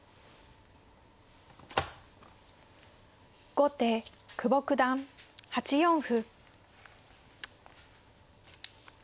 後手久保九段８四歩。